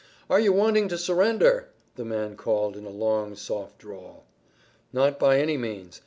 "Are you wanting to surrender?" the man called in a long, soft drawl. "Not by any means.